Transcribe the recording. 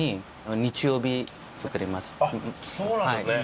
あっそうなんですね。